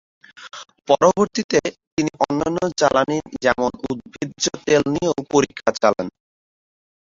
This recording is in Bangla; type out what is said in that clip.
পরবর্তীতে তিনি অন্যান্য জ্বালানি যেমন উদ্ভিজ্জ তেল নিয়েও পরীক্ষা চালান।